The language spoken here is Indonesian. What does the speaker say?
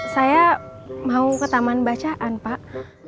saya mau ke taman bacaan pak